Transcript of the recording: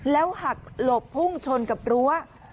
แล้วหักหลบพุ่งชนกับรั้ว